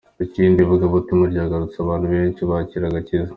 Ikindi ivugabutumwa ryaragutse abantu benshi bakira agakiza.